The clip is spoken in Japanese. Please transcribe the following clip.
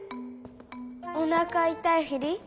おなかいたいふり？